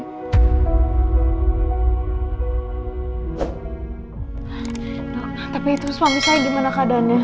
tapi itu suami saya gimana keadaannya